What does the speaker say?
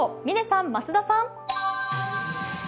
嶺さん、増田さん。